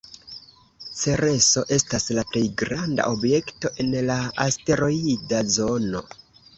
Cereso estas la plej granda objekto en la asteroida zono.